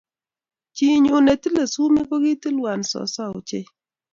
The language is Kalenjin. Chiinyu ne tile sumee ko katilwan soso ochei